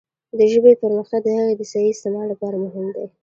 د ژبې پرمختګ د هغې د صحیح استعمال لپاره مهم دی.